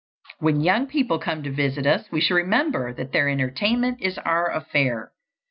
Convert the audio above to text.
When young people come to visit us we should remember that their entertainment is our affair.